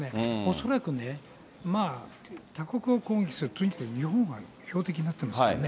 恐らくね、他国を攻撃する、とにかく日本が標的になっていますからね。